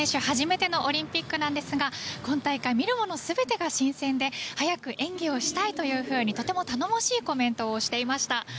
初めてのオリンピックですが今大会、見るものすべてが新鮮で早く演技をしたいと頼もしいコメントをしていました。